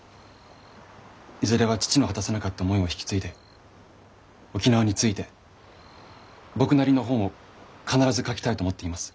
いずれは父の果たせなかった思いも引き継いで沖縄について僕なりの本を必ず書きたいと思っています。